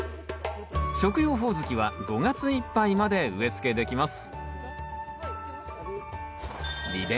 食用ホオズキは５月いっぱいまで植えつけできます